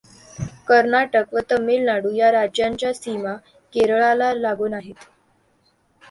कर्नाटक व तमिळनाडू या राज्यांच्या सीमा केरळला लागून आहेत.